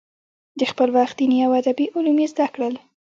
د خپل وخت دیني او ادبي علوم یې زده کړل.